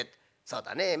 そうだねえ